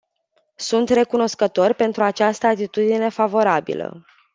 Sunt recunoscător pentru această atitudine favorabilă.